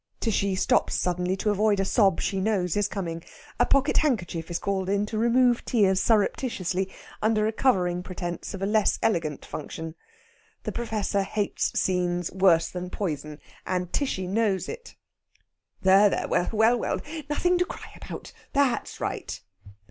Tishy stops suddenly to avoid a sob she knows is coming. A pocket handkerchief is called in to remove tears surreptitiously, under a covering pretence of a less elegant function. The Professor hates scenes worse than poison, and Tishy knows it. "There, there! Well, well! Nothing to cry about. That's right."